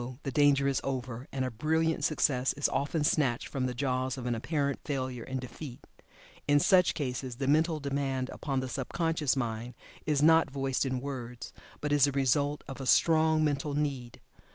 the danger is over, and a brilliant success is often snatched from the jaws of an apparent failure and defeat. In such cases the mental demand upon the sub conscious mind is not voiced in words, but is the result of a strong mental need.